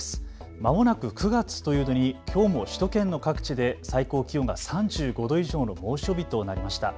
まもなく９月というのにきょうも首都圏の各地で最高気温が３５度以上の猛暑日となりました。